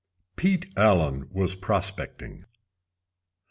Pete Allen was prospecting.